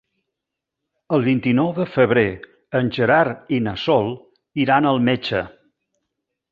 El vint-i-nou de febrer en Gerard i na Sol iran al metge.